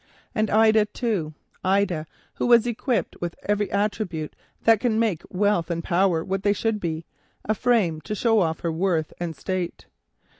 And Ida, too,—Ida, who was equipped with every attribute that can make wealth and power what they should be—a frame to show off her worth and state.